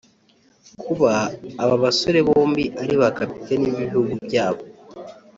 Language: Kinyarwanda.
Kuba aba basore bombi ari ba kapiteni b’ibihugu byabo